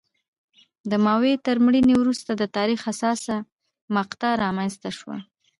د ماوو تر مړینې وروسته د تاریخ حساسه مقطعه رامنځته شوه.